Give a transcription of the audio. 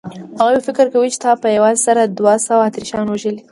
هغوی به فکر کوي چې تا په یوازې سره دوه سوه اتریشیان وژلي.